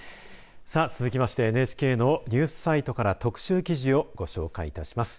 続きましてＮＨＫのニュースサイトから特集記事をご紹介いたします。